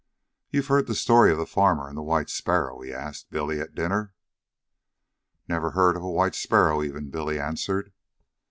"You've heard the story of the farmer and the white sparrow'" he asked Billy, at dinner. "Never heard of a white sparrow even," Billy answered.